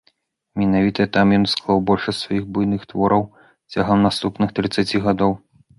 Менавіта там ён склаў большасць сваіх буйных твораў цягам наступных трыццаці гадоў.